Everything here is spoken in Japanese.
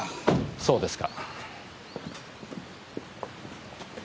そうですか。